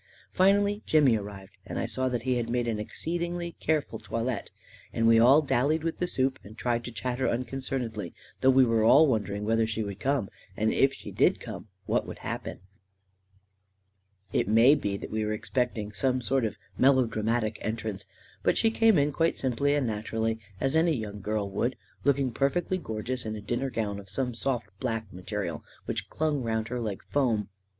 Finally Jimmy arrived, and I saw that he had made an exceedingly careful toilet; and we all dallied with the soup and tried to chat ter unconcernedly, though we were all wondering whether she would come, and if she did come, what would happen. 7* A KING IN BABYLON It may be that we were expecting some sort of melodramatic entrance, but she came in quite simply and naturally, as any young girl would, looking per fectly gorgeous in a dinner gown of some soft, black material, which clung round her like foam.